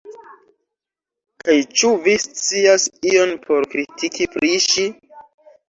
Kaj ĉu vi scias ion por kritiki pri ŝi?